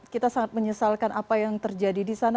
kita sangat menyesalkan apa yang terjadi di sana